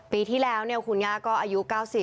ปีที่แล้วคุณย่าก็อายุ๙๐